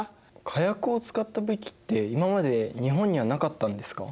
火薬を使った武器って今まで日本にはなかったんですか？